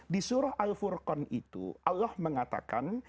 di surah al furqan itu allah mengatakan